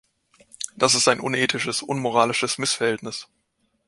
Das ist ein unethisches, unmoralisches Missverhältnis.